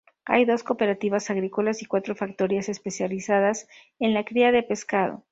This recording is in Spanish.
Hay dos cooperativas agrícolas y cuatro factorías especializadas en la cría de pescado.